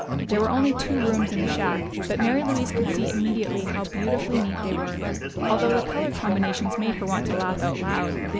There were only two rooms in the shack, but Mary Louise could see immediately how beautifully neat they were, although the color combinations made her want to laugh out loud.